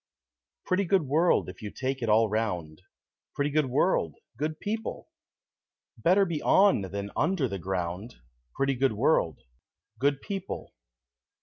Pretty good world if you take it all round Pretty good world, good people! Better be on than under the ground Pretty good world, good people!